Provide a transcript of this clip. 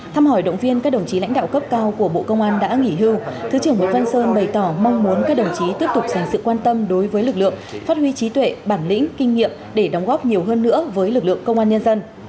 thăm hỏi động viên các đồng chí lãnh đạo cấp cao của bộ công an đã nghỉ hưu thứ trưởng nguyễn văn sơn bày tỏ mong muốn các đồng chí tiếp tục dành sự quan tâm đối với lực lượng phát huy trí tuệ bản lĩnh kinh nghiệm để đóng góp nhiều hơn nữa với lực lượng công an nhân dân